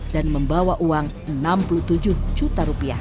dan membawa uang enam puluh tujuh juta rupiah